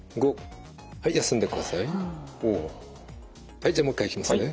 はいじゃあもう一回いきますね。